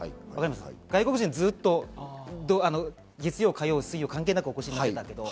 外国人、ずっと月曜、火曜、水曜、関係なくお越しになっていた。